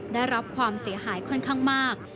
ได้รับความเสียหายค่อนข้างมาก